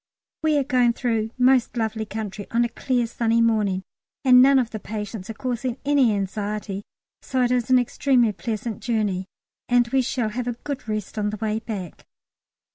We are going through most lovely country on a clear sunny morning, and none of the patients are causing any anxiety, so it is an extremely pleasant journey, and we shall have a good rest on the way back.